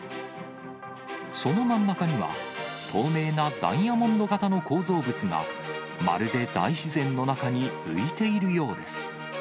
その真ん中には、透明なダイヤモンド形の構造物が、まるで大自然の中に浮いているようです。